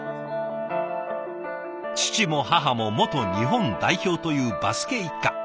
父も母も元日本代表というバスケ一家。